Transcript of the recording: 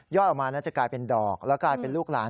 ออกมาน่าจะกลายเป็นดอกแล้วกลายเป็นลูกหลาน